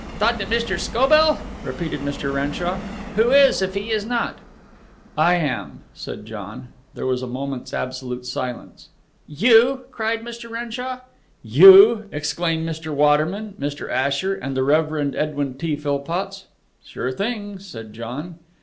"Thought that Mr. Scobell ?" repeated Mr. Renshaw. "Who is, if he is not?" "I am," said John. There was a moment's absolute silence. "You!" cried Mr. Renshaw. "You!" exclaimed Mr. Waterman, Mr. Asher, and the Reverend Edwin T. Philpotts. "Sure thing," said John.